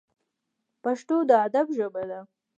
پښتو د ادب ژبه ده